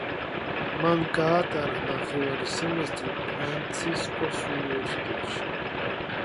მან გაატარა ნახევარი სემესტრი ფრანცისკოს უნივერსიტეტში.